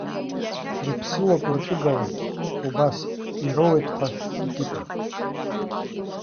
Рԥсылоуп, рҵәыгала, убас, ироуеит ҳәа икьыԥхьуп.